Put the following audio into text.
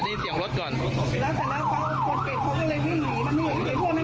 ก็เลยพิ้งหยีวันนี้